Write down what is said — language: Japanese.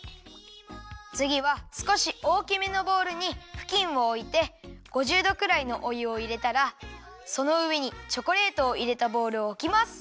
つぎはすこしおおきめのボウルにふきんをおいて５０どくらいのおゆをいれたらそのうえにチョコレートをいれたボウルをおきます。